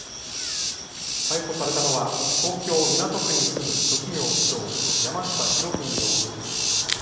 逮捕されたのは東京港区に住む職業不詳、山下裕史容疑者です。